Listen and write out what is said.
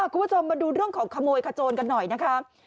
คุณผู้ชมมาดูเรื่องของขโมยขโจนกันหน่อยนะคะ